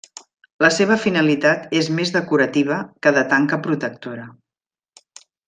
La seva finalitat és més decorativa que de tanca protectora.